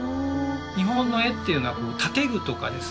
日本の絵っていうのはこう建具とかですね